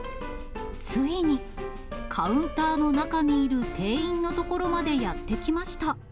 ついに、カウンターの中にいる店員の所までやって来ました。